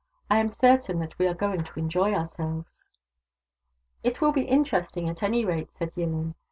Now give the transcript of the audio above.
I am certain that we are going to enjoy ourselves." " It will be interesting, at any rate," said Yillin.